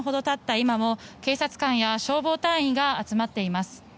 今も警察官や消防隊員が集まっています。